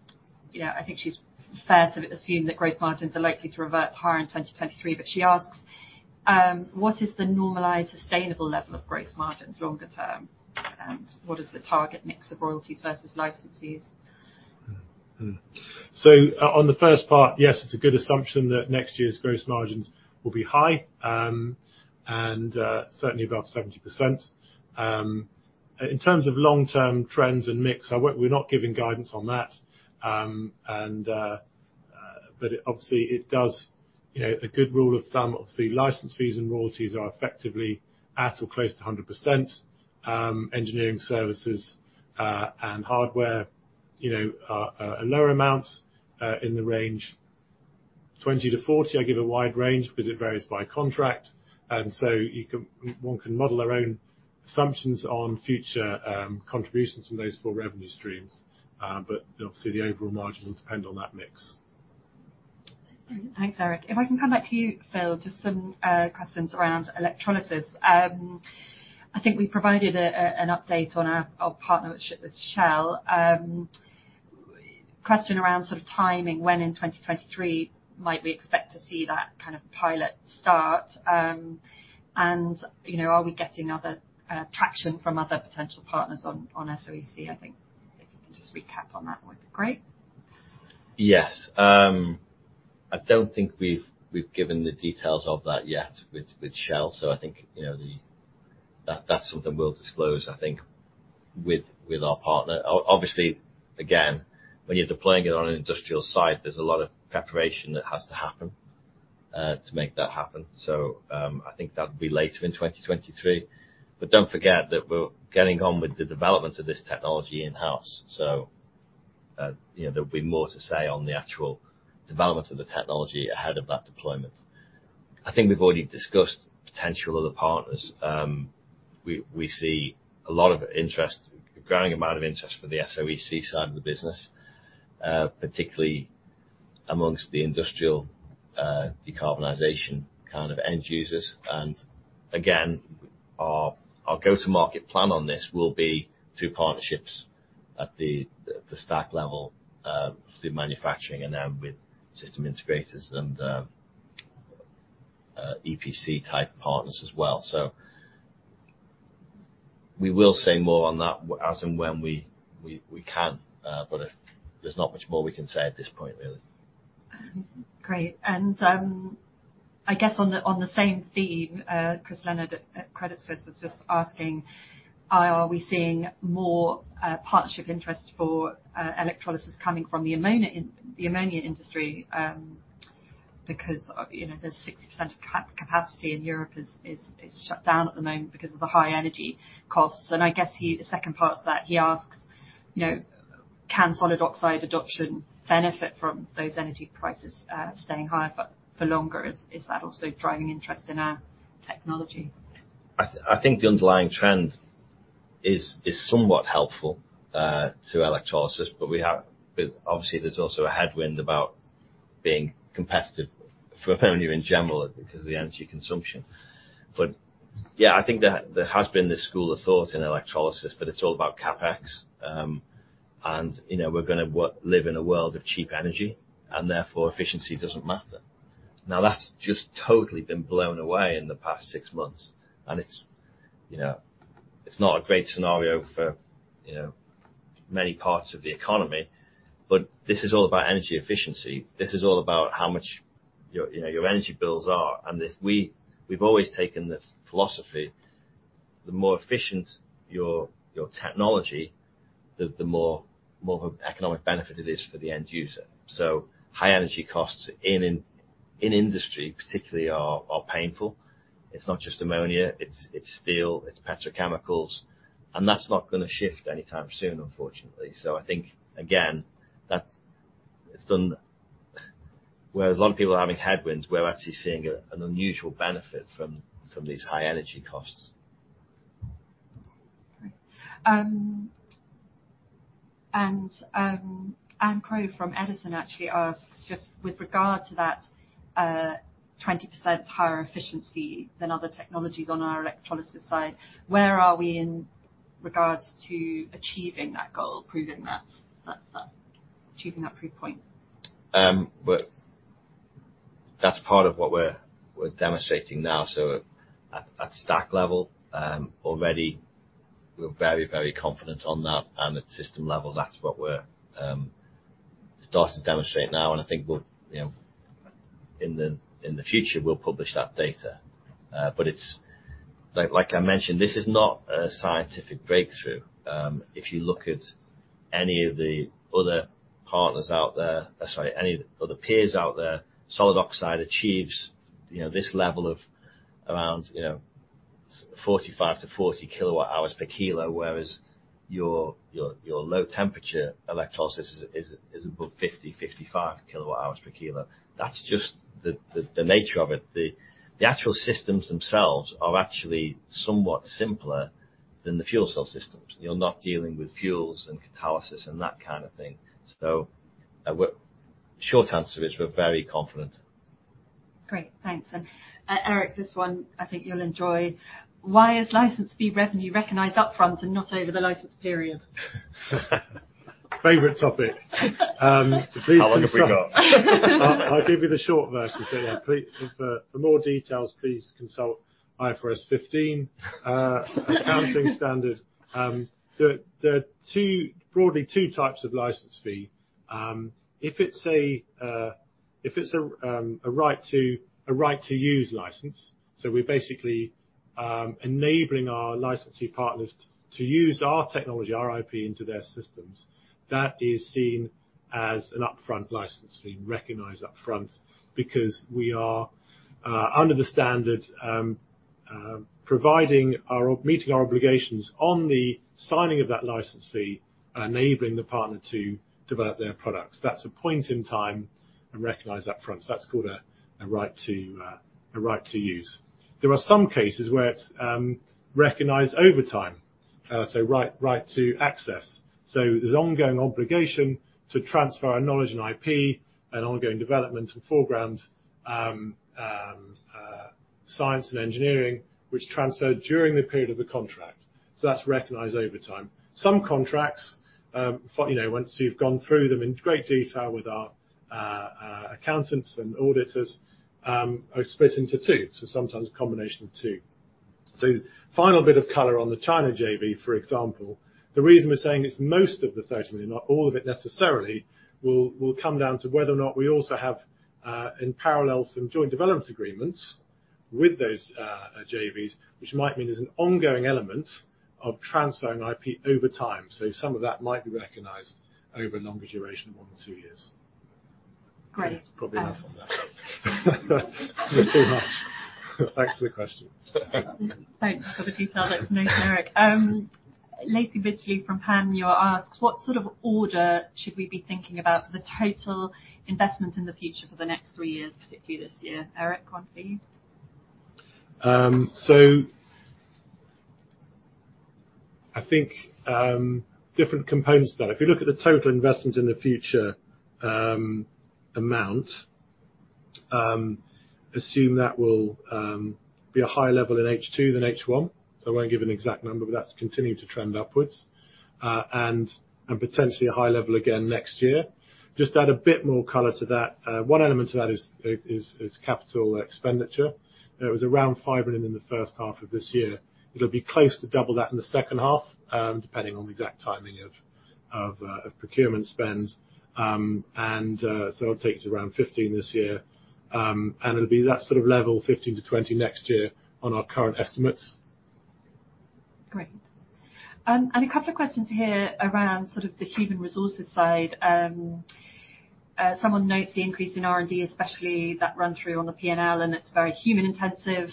it's fair to assume that gross margins are likely to revert higher in 2023. But she asks, what is the normalized sustainable level of gross margins longer term? And what is the target mix of royalties versus licensees? On the first part, yes, it's a good assumption that next year's gross margins will be high, and certainly above 70%. In terms of long-term trends and mix, we're not giving guidance on that. But obviously a good rule of thumb, obviously, license fees and royalties are effectively at or close to 100%. Engineering services and hardware are a lower amount in the range 20%-40%. I give a wide range because it varies by contract, and one can model their own assumptions on future contributions from those four revenue streams. But obviously the overall margins will depend on that mix. Thanks, Eric. If I can come back to you, Phil, just some questions around electrolysis. I think we provided an update on our partnership with Shell. Question around sort of timing, when in 2023 might we expect to see that kind of pilot start? Are we getting other traction from other potential partners on SOEC? I think if you can just recap on that would be great. Yes. I don't think we've given the details of that yet with Shell. I think that that's something we'll disclose, I think, with our partner. Obviously, again, when you're deploying it on an industrial site, there's a lot of preparation that has to happen to make that happen. I think that would be later in 2023. Don't forget that we're getting on with the development of this technology in-hous. There'll be more to say on the actual development of the technology ahead of that deployment. I think we've already discussed potential other partners. We see a lot of interest, growing amount of interest for the SOEC side of the business, particularly among the industrial decarbonization kind of end users. Again, our go-to-market plan on this will be through partnerships. At the stack level, through manufacturing and then with system integrators and EPC type partners as well. We will say more on that as and when we can, but there's not much more we can say at this point, really. Great. I guess on the same theme, Chris Leonard at Credit Suisse was just asking, are we seeing more partnership interest for electrolysis coming from the ammonia industry, because of the 60% capacity in Europe is shut down at the moment because of the high energy costs. I guess the second part to that, he asks can solid oxide adoption benefit from those energy prices staying high for longer? Is that also driving interest in our technology? I think the underlying trend is somewhat helpful to electrolysis, but obviously there's also a headwind about being competitive for ammonia in general because of the energy consumption. Yeah, I think there has been this school of thought in electrolysis that it's all about CapEx, and we're going to live in a world of cheap energy and therefore efficiency doesn't matter. Now, that's just totally been blown away in the past six months, and it's not a great scenario for many parts of the economy. This is all about energy efficiency, this is all about how much your energy bills are. We've always taken the philosophy, the more efficient your technology, the more economic benefit it is for the end user. High energy costs in industry particularly are painful. It's not just ammonia, it's steel, it's petrochemicals, and that's not going to shift anytime soon, unfortunately. I think, again, that it's done. Whereas a lot of people are having headwinds, we're actually seeing an unusual benefit from these high energy costs. Great. Anne Crow from Edison actually asks just with regard to that 20% higher efficiency than other technologies on our electrolysis side, where are we in regards to achieving that goal, proving that achieving that proof point? Well, that's part of what we're demonstrating now. At stack level, already we're very confident on that. At system level, that's what we're starting to demonstrate now, and I think we'll in the future, we'll publish that data. But it's like I mentioned, this is not a scientific breakthrough. If you look at any of the other peers out there, solid oxide achieves this level of around 45-50 kWh/kg, whereas your low temperature electrolysis is above 55 kWh/kg. That's just the nature of it. The actual systems themselves are actually somewhat simpler than the fuel cell systems. You're not dealing with fuels and catalysis and that kind of thing. Short answer is we're very confident. Great. Thanks. Eric, this one I think you'll enjoy. Why is license fee revenue recognized upfront and not over the license period? Favorite topic. How long have we got? I'll give you the short version. Yeah, for more details, please consult IFRS 15, accounting standard. There are broadly two types of license fee. If it's a right to use license, so we're basically enabling our licensee partners to use our technology, our IP into their systems, that is seen as an upfront license fee, recognized upfront because we are under the standard, meeting our obligations on the signing of that license fee, enabling the partner to develop their products. That's a point in time and recognized upfront. That's called a right to use. There are some cases where it's recognized over time, so right to access. There's ongoing obligation to transfer our knowledge and IP and ongoing development and foreground science and engineering, which transfer during the period of the contract. That's recognized over time. Some contracts, for once you've gone through them in great detail with our accountants and auditors, are split into two. Sometimes a combination of two. Final bit of color on the China JV, for example, the reason we're saying it's most of the 30 million, not all of it necessarily, will come down to whether or not we also have, in parallel some joint development agreements with those JVs, which might mean there's an ongoing element of transferring IP over time. Some of that might be recognized over a longer duration of more than two years. Great. That's probably enough on that. Too much. Thanks for the question. Thanks for the detailed answer. No, Eric. Lacie Midgley from Panmure Gordon asks, what sort of order should we be thinking about for the total investment in the future for the next three years, particularly this year? Eric, one for you. I think different components there. If you look at the total investment in the future, assume that will be a higher level in H2 than H1. I won't give an exact number, but that's continuing to trend upwards. Potentially a high level again next year. Just add a bit more color to that. One element to that is capital expenditure. It was around 5 million in the first half of this year. It'll be close to double that in the second half, depending on the exact timing of procurement spend. It'll take it to around 15 million this year. It'll be that sort of level, 15 million-20 million next year on our current estimates. Great. A couple of questions here around sort of the human resources side. Someone notes the increase in R&D, especially that run through on the P&L, and it's very human intensive.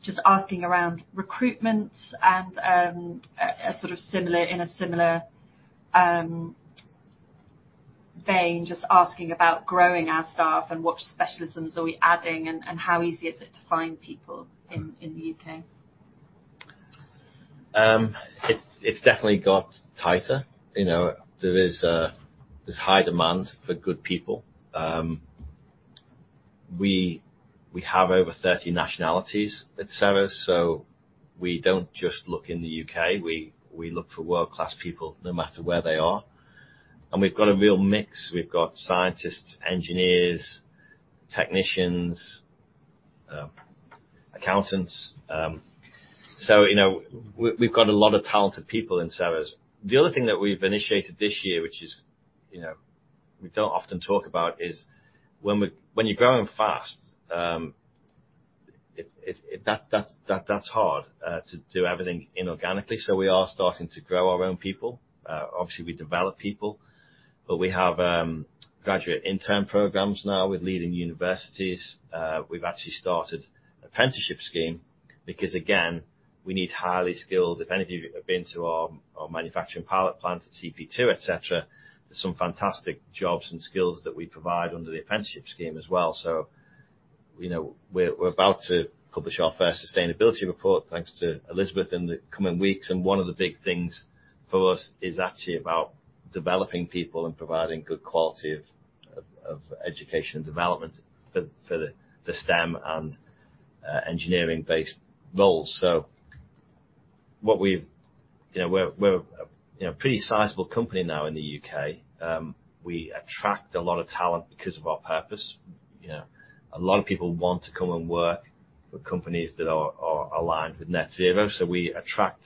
Just asking around recruitment and, in a similar vein, just asking about growing our staff and what specialisms are we adding and how easy is it to find people in the UK? It's definitely got tighter. There's high demand for good people. We have over 30 nationalities at Ceres, so we don't just look in the UK, we look for world-class people no matter where they are. We've got a real mix. We've got scientists, engineers, technicians, accountants. so we've got a lot of talented people in Ceres. The other thing that we've initiated this year, which is we don't often talk about, is when you're growing fast, that's hard to do everything inorganically, so we are starting to grow our own people. Obviously we develop people, but we have graduate intern programs now with leading universities. We've actually started apprenticeship scheme because, again, we need highly skilled. If any of you have been to our manufacturing pilot plant at CP2, et cetera, there's some fantastic jobs and skills that we provide under the apprenticeship scheme as well. We're about to publish our first sustainability report, thanks to Elizabeth, in the coming weeks, and one of the big things for us is actually about developing people and providing good quality of education and development for the STEM and engineering-based roles. We're pretty sizable company now in the UK. We attract a lot of talent because of our purpose. A lot of people want to come and work for companies that are aligned with net zero. We attract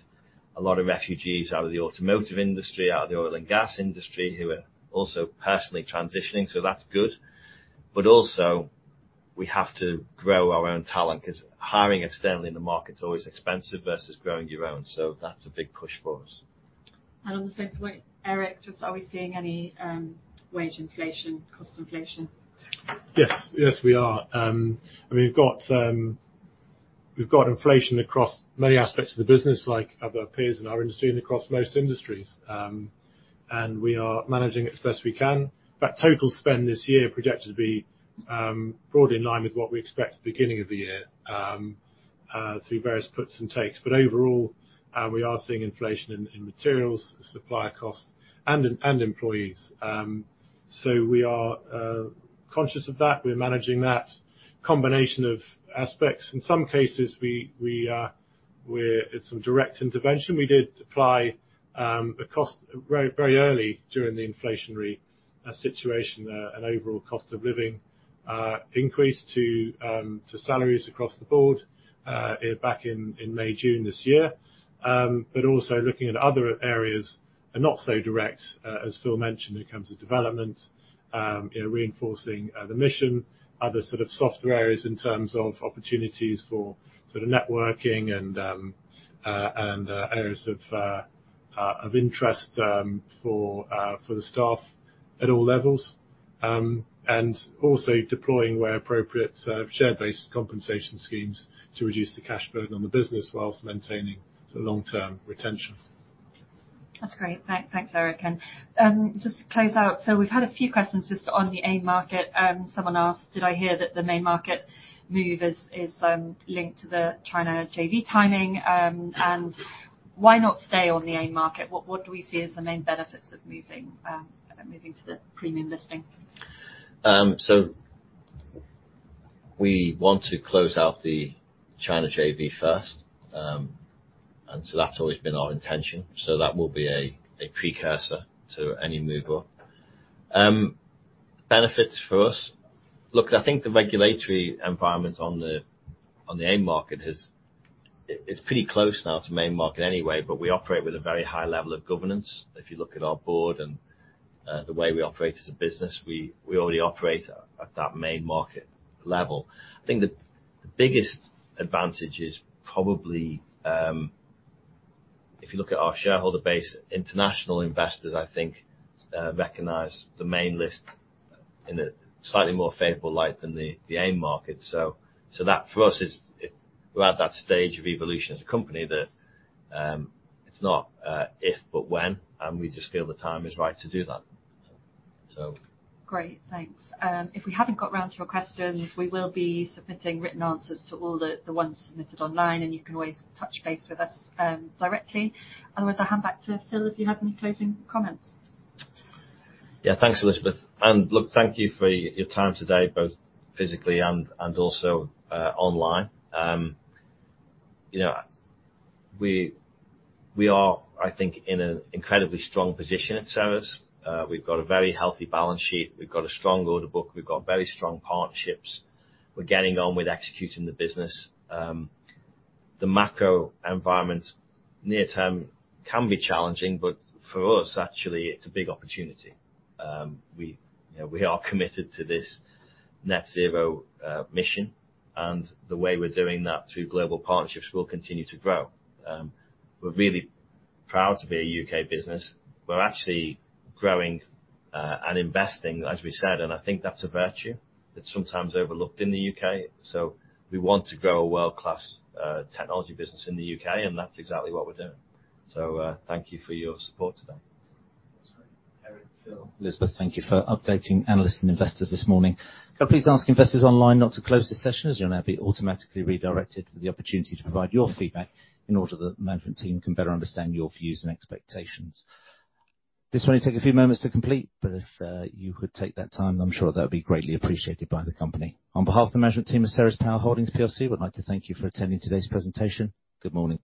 a lot of refugees out of the automotive industry, out of the oil and gas industry, who are also personally transitioning, so that's good. Also we have to grow our own talent 'cause hiring externally in the market's always expensive versus growing your own, so that's a big push for us. On the same point, Eric, just are we seeing any wage inflation, cost inflation? Yes. we are. We've got inflation across many aspects of the business, like other peers in our industry and across most industries. We are managing it as best we can. Total spend this year projected to be broadly in line with what we expect at the beginning of the year through various puts and takes. Overall, we are seeing inflation in materials, supply costs, and employees. We are conscious of that. We're managing that combination of aspects. In some cases, it's some direct intervention. We did apply a cost-of-living, very early during the inflationary situation, and overall cost of living increase to salaries across the board back in May, June this year. Also looking at other areas and not so direct, as Phil mentioned in terms of development reinforcing the mission, other sort of softer areas in terms of opportunities for sort of networking and areas of interest for the staff at all levels. Deploying where appropriate, share-based compensation schemes to reduce the cash burden on the business while maintaining the long-term retention. That's great. Thanks, Eric. Just to close out. We've had a few questions just on the AIM market, and someone asked, "Did I hear that the main market move is linked to the China JV timing? And why not stay on the AIM market? What do we see as the main benefits of moving to the premium listing? We want to close out the China JV first. That's always been our intention. That will be a precursor to any move up. Benefits for us. Look, I think the regulatory environment on the AIM market is pretty close now to main market anyway, but we operate with a very high level of governance. If you look at our board and the way we operate as a business, we already operate at that main market level. I think the biggest advantage is probably if you look at our shareholder base, international investors recognize the main listing in a slightly more favorable light than the AIM market. So that for us is it. We're at that stage of evolution as a company that it's not if but when, and we just feel the time is right to do that. Great. Thanks. If we haven't got around to your questions, we will be submitting written answers to all the ones submitted online, and you can always touch base with us directly. Otherwise, I'll hand back to Phil, if you have any closing comments. Yeah. Thanks, Elizabeth. Look, thank you for your time today, both physically and also online. We are, I think, in an incredibly strong position at Ceres. We've got a very healthy balance sheet. We've got a strong order book. We've got very strong partnerships. We're getting on with executing the business. The macro environment near term can be challenging, but for us, actually, it's a big opportunity. We are committed to this net zero mission, and the way we're doing that through global partnerships will continue to grow. We're really proud to be a UK business. We're actually growing and investing, as we said, and I think that's a virtue that's sometimes overlooked in the UK. We want to grow a world-class technology business in the UK, and that's exactly what we're doing. Thank you for your support today. That's great. Eric, Phil, Elizabeth, thank you for updating analysts and investors this morning. Could I please ask investors online not to close this session, as you'll now be automatically redirected for the opportunity to provide your feedback in order that the management team can better understand your views and expectations. This will only take a few moments to complete, but if you could take that time, I'm sure that'll be greatly appreciated by the company. On behalf of the management team of Ceres Power Holdings plc, we'd like to thank you for attending today's presentation. Good morning.